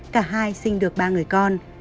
cả hai sinh được ba người con